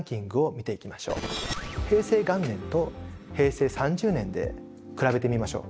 平成元年と平成３０年で比べてみましょう。